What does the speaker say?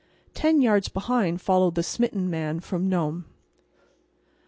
Ten yards behind followed the smitten Man from Nome.